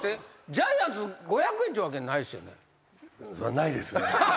ジャイアンツ５００円っていうわけないっすよね？